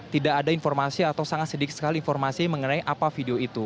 tidak ada informasi atau sangat sedikit sekali informasi mengenai apa video itu